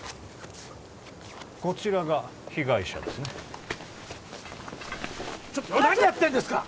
こちらが被害者ですねちょっと何やってんですか！？